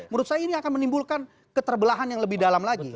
menurut saya ini akan menimbulkan keterbelahan yang lebih dalam lagi